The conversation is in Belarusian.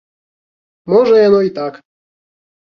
Можа яно і так.